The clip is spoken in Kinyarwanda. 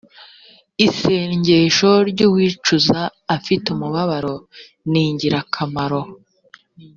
isengesho ry uwicuza afite umubabaro ningirakamaro